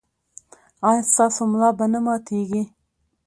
ایا ستاسو ملا به نه ماتیږي؟